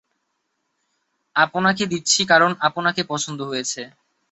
আপনাকে দিচ্ছি, কারণ আপনাকে পছন্দ হয়েছে।